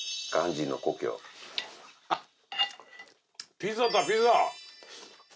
ピザだピザ。